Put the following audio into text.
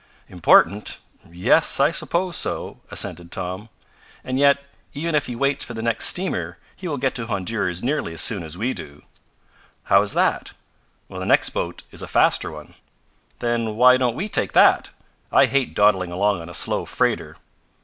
"Important? Yes, I suppose so," assented Tom. "And yet even if he waits for the next steamer he will get to Honduras nearly as soon as we do." "How is that?" "The next boat is a faster one." "Then why don't we take that? I hate dawdling along on a slow freighter."